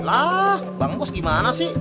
lah bang kok segimana sih